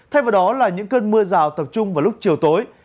thay vào đó là những cơn mưa rào tập trung vào lúc chiều tối